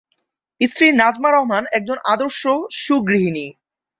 স্ত্রী নাজমা রহমান একজন আদর্শ সুগৃহিণী।